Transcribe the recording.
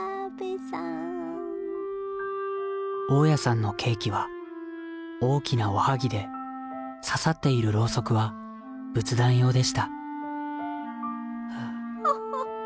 大家さんのケーキは大きなおはぎで刺さっているロウソクは仏壇用でしたほっほっほ。